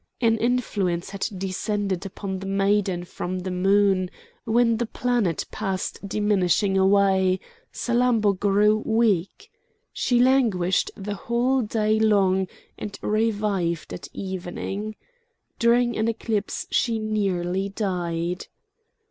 An influence had descended upon the maiden from the moon; when the planet passed diminishing away, Salammbô grew weak. She languished the whole day long, and revived at evening. During an eclipse she nearly died.